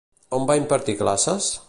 On va impartir classes?